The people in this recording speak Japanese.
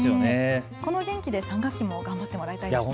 この元気で３学期も頑張ってもらいたいですね。